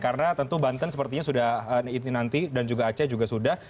karena tentu banten sepertinya sudah ini nanti dan juga aceh juga sudah